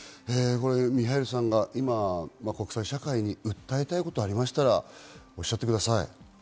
ミハイルさんが今、国際社会に訴えたいことがありましたらおっしゃってください。